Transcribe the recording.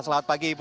selamat pagi ibu